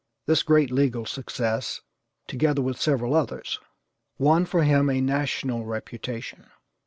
This great legal success, together with several others, won for him a national reputation.